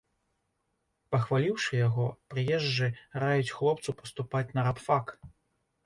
Пахваліўшы яго, прыезджы раіць хлопцу паступаць на рабфак.